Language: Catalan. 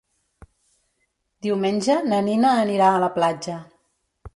Diumenge na Nina anirà a la platja.